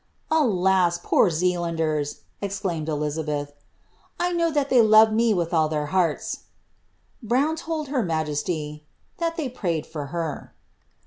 "Alas, poor Zealanders !" exclaimed F.lizabeth, " I know thai they love me with all their hearts." Brown told her ma jesty, " that they prayed for her."